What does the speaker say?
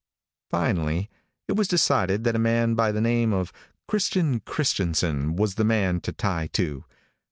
Finally, it was decided that a man by the name of Christian Christianson was the man to tie to.